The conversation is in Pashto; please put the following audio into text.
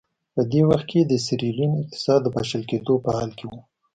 په دې وخت کې د سیریلیون اقتصاد د پاشل کېدو په حال کې و.